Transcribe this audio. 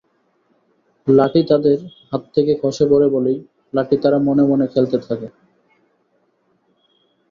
লাঠি তাদের হাত থেকে খসে পড়ে বলেই লাঠি তারা মনে মনে খেলতে থাকে।